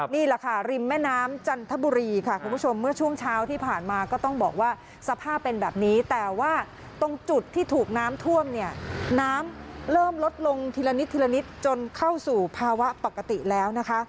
นี่แหละค่ะริมแม่น้ำจันทบุรีค่ะคุณผู้ชมเมื่อช่วงเช้าที่ผ่านมาก็ต้องบอกว่าสภาพเป็นแบบนี้แต่ว่าตรงจุดที่ถูกน้ำท่วมเนี่ยน้ำเริ่มลดลงทีละนิดทีละนิดจนเข้าสู่ภาวะปกติแล้วนะคะ